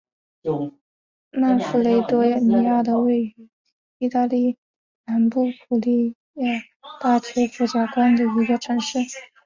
曼弗雷多尼亚是位于义大利南部普利亚大区福贾省的一个城市。